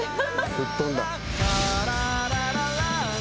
・吹っ飛んだ。